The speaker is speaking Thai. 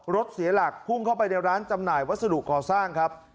รถเสียหลักพุ่งเข้าไปในร้านจำหน่ายวัสดุก่อสร้างครับ